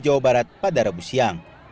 jawa barat pada rabu siang